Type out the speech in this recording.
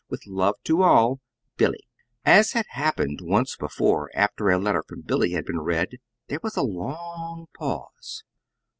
"With love to all, "BILLY." As had happened once before after a letter from Billy had been read, there was a long pause.